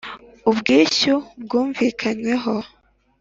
Ubwishyu bwumvikanyweho